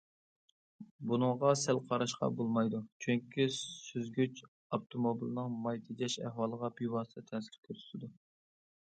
بۇنىڭغا سەل قاراشقا بولمايدۇ، چۈنكى سۈزگۈچ ئاپتوموبىلنىڭ ماي تېجەش ئەھۋالىغا بىۋاسىتە تەسىر كۆرسىتىدۇ.